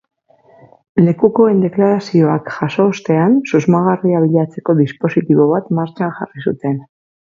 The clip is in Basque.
Lekukoen deklarazioak jaso ostean, susmagarria bilatzeko dispositibo bat martxan jarri zuten.